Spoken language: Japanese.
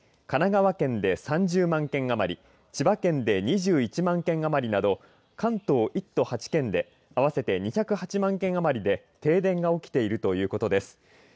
神奈川県で３０万件余り千葉県で２１万件余りなど関東１都８県で合わせて２０８万件余りで停電が起きているということです。